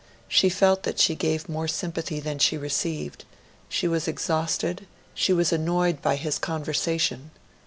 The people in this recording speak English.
She felt that she gave more sympathy than she received; she was exhausted, and she was annoyed by his conversation.